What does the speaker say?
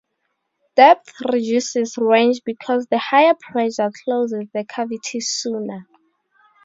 Depth reduces range because the higher pressure closes the cavity sooner.